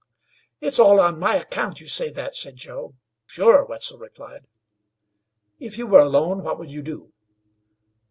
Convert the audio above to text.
"It's all on my account you say that," said Joe. "Sure," Wetzel replied. "If you were alone what would you do?"